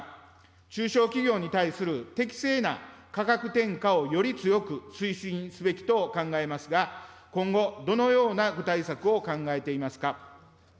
中小企業に対する適正な価格転嫁をより強く推進すべきと考えますが、今後、どのような具体策を考えていますか。